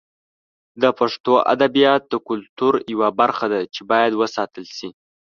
د پښتو ادبیات د کلتور یوه برخه ده چې باید وساتل شي.